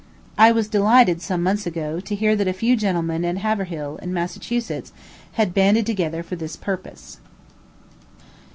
I was delighted, some months ago, to hear that a few gentlemen at Haverhill, in Massachusetts, had banded together for this purpose.